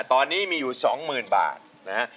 ตอนนี้มีอยู่๒๐๐๐บาทนะฮะ